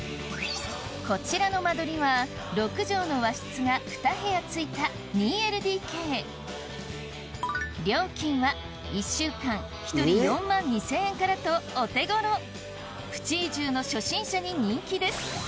こちらの間取りは６畳の和室が２部屋付いた２ＬＤＫ料金は１週間１人４万２０００円からとお手頃プチ移住の初心者に人気です